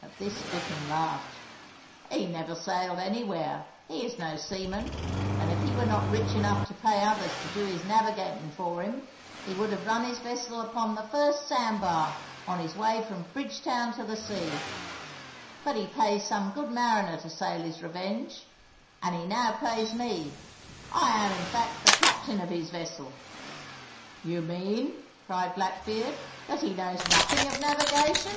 At this Bittern laughed. "He never sailed anywhere, he is no seaman; and if he were not rich enough to pay others to do his navigatin' for him he would have run his vessel upon the first sand bar on his way from Bridgetown to the sea. But he pays some good mariner to sail his Revenge, and he now pays me. I am, in fact, the captain of his vessel." "You mean," cried Blackbeard, "that he knows nothing of navigation?"